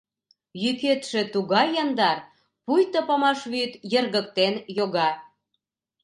Йӱкетше тугай яндар, пуйто памаш вӱд йыргыктен йога.